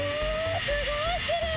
すごいきれい。